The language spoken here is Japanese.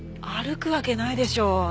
歩くわけないでしょう。